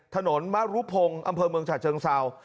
ถนนมรุภงอำเภอเมืองฉะเชิงเซา